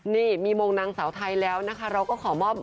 มีมงวดงานนางเสาไทยแล้วก็ขอมอบ